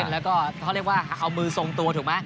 แล้วก็เขาเรียกว่าเอามือทรงตัวถูกไหม